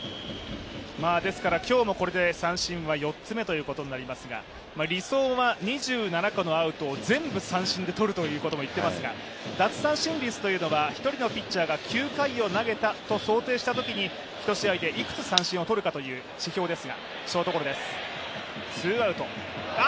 今日もこれで三振は４つ目ということになりますが、理想は２７個のアウトを全部三振で取るということも言っていますが奪三振率というのは１人のピッチャーが９回を投げたというのを想定したときに１試合でいくつ三振を取るかという指標です。